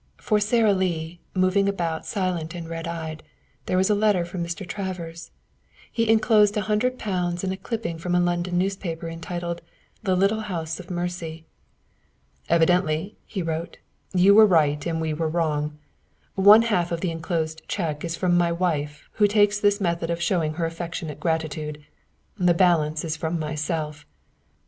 For Sara Lee, moving about silent and red eyed, there was a letter from Mr. Travers. He inclosed a hundred pounds and a clipping from a London newspaper entitled The Little House of Mercy. "Evidently," he wrote, "you were right and we were wrong. One half of the inclosed check is from my wife, who takes this method of showing her affectionate gratitude. The balance is from myself.